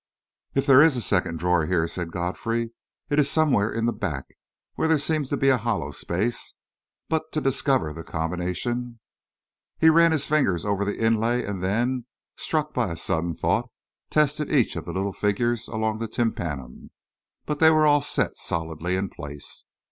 "If there is a secret drawer here," said Godfrey, "it is somewhere in the back, where there seems to be a hollow space. But to discover the combination...." He ran his fingers over the inlay, and then, struck by a sudden thought, tested each of the little figures along the tympanum, but they were all set solidly in place.